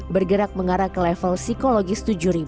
bergerak mengarah ke level psikologis tujuh